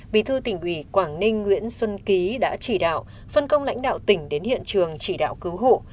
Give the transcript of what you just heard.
bí thư tỉnh ủy quảng ninh nguyễn xuân ký đã chỉ đạo phân công lãnh đạo tỉnh đến hiện trường chỉ đạo cứu hộ